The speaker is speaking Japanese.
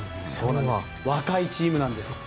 若いチームなんです。